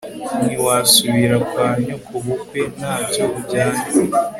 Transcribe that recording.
ntiwasubira kwa nyokobukwe nta cyo ujyanye'